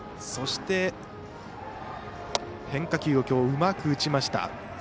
そして、変化球をきょう、うまく打ちました。